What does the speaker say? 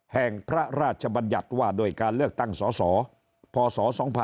แห่งพระราชบัญญัติว่าโดยการเลือกตั้งสสพ